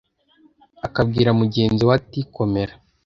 akabwira mugenzi we ati Komera